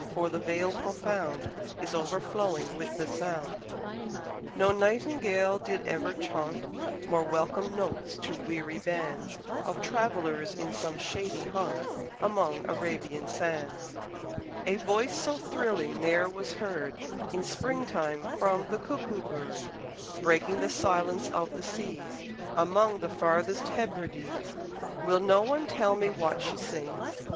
for the Vale profound Is overflowing with the sound. No Nightingale did ever chaunt More welcome notes to weary bands Of travellers in some shady haunt, Among Arabian sands: A voice so thrilling ne'er was heard In spring time from the Cuckoo bird, Breaking the silence of the seas Among the farthest Hebrides. Will no one tell me what she sings?